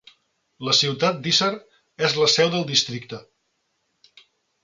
La ciutat d'Hisar és la seu del districte.